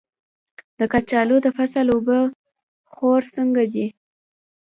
د کچالو د فصل اوبه خور څنګه دی؟